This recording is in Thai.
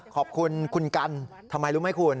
ขอบคุณคุณกันทำไมรู้ไหมคุณ